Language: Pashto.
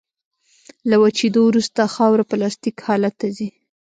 له وچېدو وروسته خاوره پلاستیک حالت ته ځي